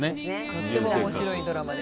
とっても面白いドラマで。